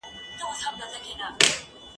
دا سیر له هغه ښه دی!.